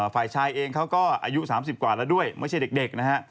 ฝ่ายชายเองเขาก็อายุ๓๐กว่าแล้วด้วยไม่ใช่เด็กนะฮะ